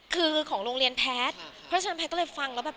คือของโรงเรียนแพทย์เพราะฉะนั้นแพทย์ก็เลยฟังแล้วแบบ